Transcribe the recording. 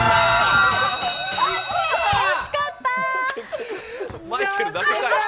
惜しかった。